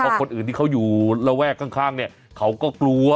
เพราะคนอื่นที่เขาอยู่ระแวกข้างเนี่ยเขาก็กลัว